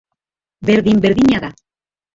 Berdin-berdina da.